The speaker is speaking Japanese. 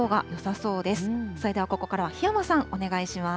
それではここからは檜山さん、お願いします。